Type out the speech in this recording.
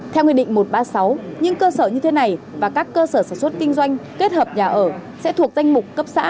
theo nghị định một trăm ba mươi sáu những cơ sở như thế này và các cơ sở sản xuất kinh doanh kết hợp nhà ở sẽ thuộc danh mục cấp xã